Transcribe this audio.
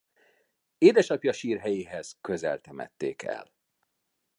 Édesapja sírhelyéhez közel temették el.